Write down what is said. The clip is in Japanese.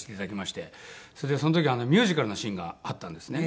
それでその時ミュージカルのシーンがあったんですね。